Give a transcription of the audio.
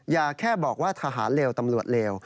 อย่าแค่บอกว่าทหารเลวตำรวจเลว